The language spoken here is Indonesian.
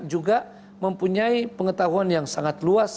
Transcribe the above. juga mempunyai pengetahuan yang sangat luas